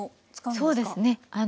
そうですね。